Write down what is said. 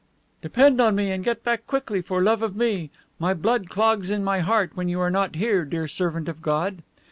"Depend on me, and get back quickly for love of me. My blood clogs in my heart when you are not here, dear servant of God."